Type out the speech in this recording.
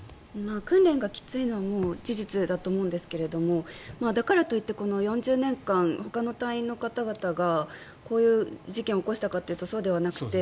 訓練がきついのは事実だと思うんですけどもだからといって４０年間ほかの隊員の方々がこういう事件を起こしたかというとそうではなくて。